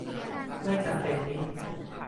ไม่จำเป็นนิ